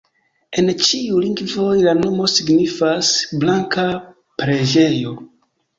En ĉiuj lingvoj la nomo signifas: blanka preĝejo.